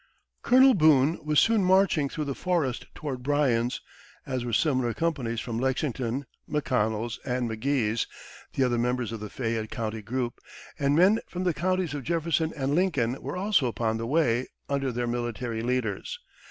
Colonel Boone was soon marching through the forest toward Bryan's, as were similar companies from Lexington, McConnell's, and McGee's, the other members of the Fayette County group; and men from the counties of Jefferson and Lincoln were also upon the way, under their military leaders.